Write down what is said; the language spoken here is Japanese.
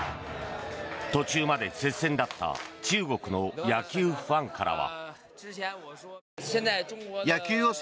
途中まで接戦だった中国の野球ファンからは。